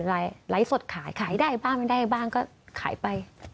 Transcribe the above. ไลฟ์สดขายขายได้บ้างไม่ได้บ้างก็ขายไป